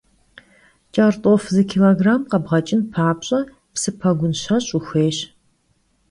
Ç'ert'of zı kilogramm khebğeç'ın papş'e, psı pegun şeş' vuxuêyş.